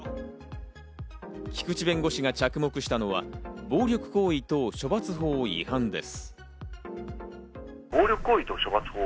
菊地弁護士が着目したのは暴力行為等処罰法違反です。